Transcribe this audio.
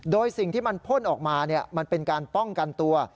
โดยสิ่งที่มันพ่นออกมามันเป็นการป้องกันตัว